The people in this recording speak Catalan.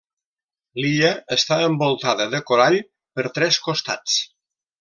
L'illa està envoltada de corall per tres costats.